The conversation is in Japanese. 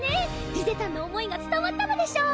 リゼたんの想いが伝わったのでしょう！